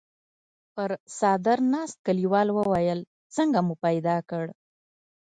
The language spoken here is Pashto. پر څادر ناست کليوال وويل: څنګه مو پيدا کړ؟